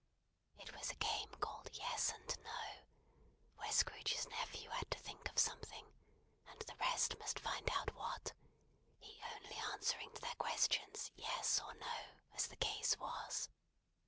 It was a Game called Yes and No, where Scrooge's nephew had to think of something, and the rest must find out what; he only answering to their questions yes or no, as the case was.